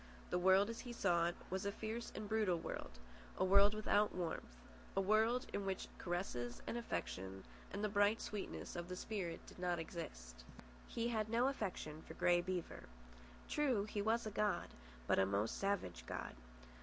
The world as he saw it was a fierce and brutal world, a world without warmth, a world in which caresses and affection and the bright sweetnesses of the spirit did not exist. He had no affection for Grey Beaver. True, he was a god, but a most savage god.